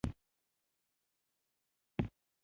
املته يې د زړښت نه کرکه شوې.